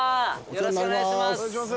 よろしくお願いします。